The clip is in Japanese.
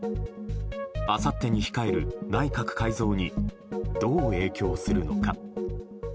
あさってに控える内閣改造にどう影響するのか。